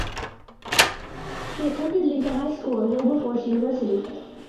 She attended Lincoln High School and Wilberforce University.